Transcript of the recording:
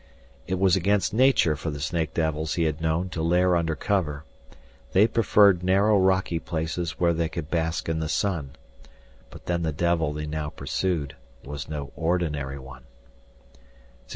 It was against nature for the snake devils he had known to lair under cover; they preferred narrow rocky places where they could bask in the sun. But then the devil they now pursued was no ordinary one.